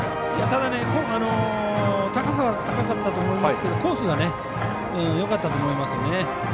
ただ、高さは高かったと思いますけどコースがよかったと思いますね。